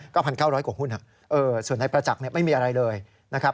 ๙๙๐๐กว่าหุ้นครับส่วนในประจักษ์เนี่ยไม่มีอะไรเลยนะครับ